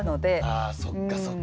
あそっかそっか。